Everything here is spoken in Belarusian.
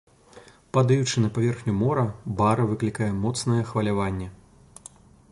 Падаючы на паверхню мора, бара выклікае моцнае хваляванне.